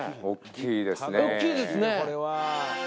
おっきいですね。